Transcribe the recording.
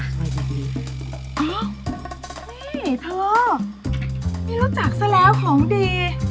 นี่เธอไม่รู้จักซะแล้วของดี